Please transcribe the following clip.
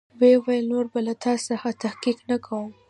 ويې ويل نور به له تا څخه تحقيق نه کوم.